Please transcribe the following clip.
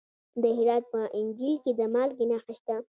د هرات په انجیل کې د مالګې نښې شته.